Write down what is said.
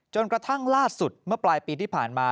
กระทั่งล่าสุดเมื่อปลายปีที่ผ่านมา